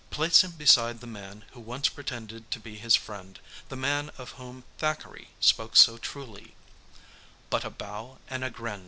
Place him beside the man who once pretended to be his friend, the man of whom Thackeray spoke so truly: 'But a bow and a grin.